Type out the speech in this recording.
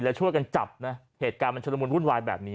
แล้วช่วยกันจับนะเหตุการณ์มันชุดละมุนวุ่นวายแบบนี้